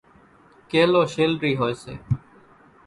ڪيلو شيلرِي هوئيَ سي۔